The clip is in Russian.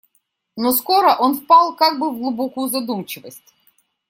Но скоро он впал как бы в глубокую задумчивость.